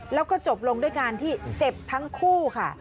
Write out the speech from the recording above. แล้วก็จบลงด้วยการที่เจ็บทั้งคู่ค่ะ